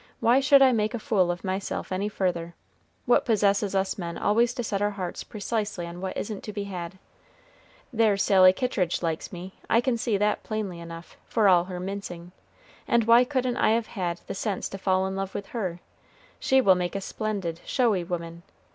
"Why should I make a fool of myself any further? What possesses us men always to set our hearts precisely on what isn't to be had? There's Sally Kittridge likes me; I can see that plainly enough, for all her mincing; and why couldn't I have had the sense to fall in love with her? She will make a splendid, showy woman.